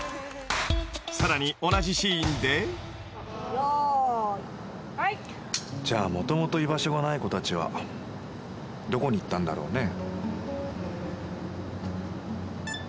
［さらに同じシーンで］じゃあもともと居場所がない子たちはどこに行ったんだろうね。